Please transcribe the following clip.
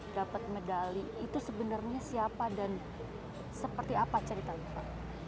dapat medali itu sebenarnya siapa dan seperti apa ceritanya pak